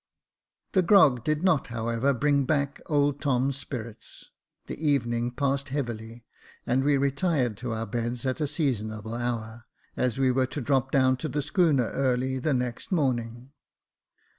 The grog did not, however, bring back old Tom's spirits ; the evening passed heavily, and we retired to our Jacob Faithful 165 beds at a seasonable hour, as we were to drop down to the schooner early the next morning.